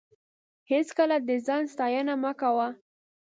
هېڅکله د ځان ستاینه مه کوه.